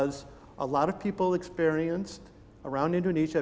banyak orang di indonesia